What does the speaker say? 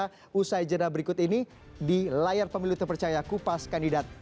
kita usai jeda berikut ini di layar pemilu terpercaya kupas kandidat